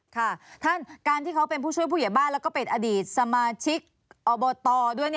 ค่ะท่านการที่เขาเป็นผู้ช่วยผู้ใหญ่บ้านแล้วก็เป็นอดีตสมาชิกอบตด้วย